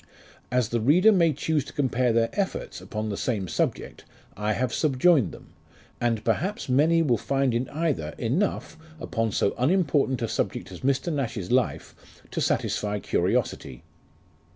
As the reader may choose to compare their efforts, upon the same subject, I have subjoined them, and perhaps many will find in either enough, upon so unimportant a subject as Mr. Nash's life, to satisfy curiosity.